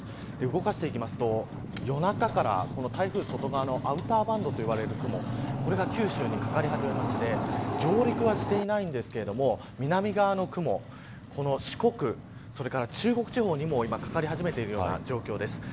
動かしていくと夜中から台風その方のアウターバンドと呼ばれる雲それが九州にかかり始めまして上陸はしていないんですけれど南側の雲四国、それから中国地方にも掛かり始めている状況です。